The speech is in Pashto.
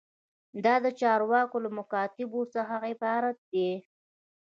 دا د چارواکو له مکاتیبو څخه عبارت دی.